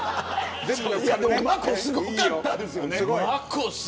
まこ、すごかったですよね。